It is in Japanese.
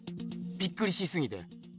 びっくりしすぎて。